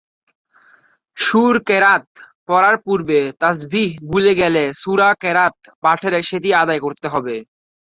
সূর-কেরাত পড়ার পূর্বে তাসবীহ ভুলে গেলে সূরা-কেরাত পাঠের সেটি আদায় করতে হবে।